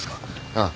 ああ。